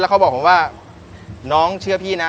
เขาบอกผมว่าน้องเชื่อพี่นะ